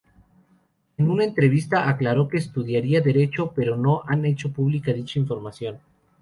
En una entrevista, aclaró que estudiaría Derecho, pero no han hecho pública dicha información.